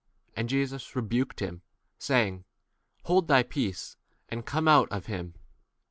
25 And Jesus rebuked him, saying, Hold thy peace and come out of 28 him.